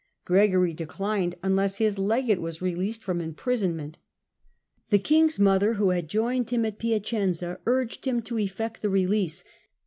Gregory de clined unless his legate was released from imprisonment. The king's mother, who had joined him at Piacenza, urged him to effect the release.